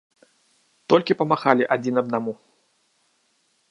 Толькі памахалі адзін аднаму.